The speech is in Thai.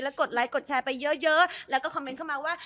กดไลค์กดแชร์ไปเยอะแล้วก็คอมเมนต์เข้ามาว่า